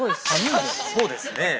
◆そうですね。